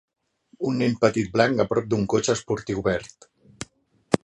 Un nen petit blanc a prop d'un cotxe esportiu verd.